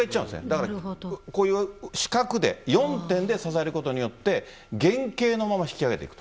だから、こういう四角で、４点で支えることによって、原形のまま引き揚げていく。